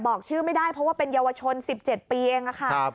บอกชื่อไม่ได้เพราะว่าเป็นเยาวชน๑๗ปีเองค่ะ